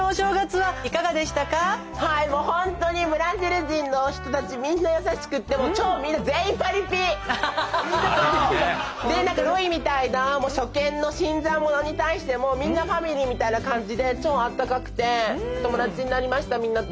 はいもうほんとにブラジル人の人たちみんな優しくってでなんかロイみたいな初見の新参者に対してもみんなファミリーみたいな感じで超あったかくて友達になりましたみんなと。